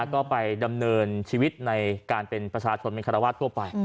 ก็ไปดำเนินชีวิตในการเป็นประชาชนเป็นคารวาสทั่วไป